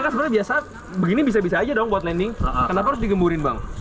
kan sebenarnya biasa begini bisa bisa aja dong buat landing kenapa harus digemburin bang